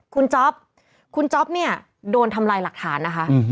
คุณจ๊อปคุณจ๊อปเนี่ยโดนทำลายหลักฐานนะคะ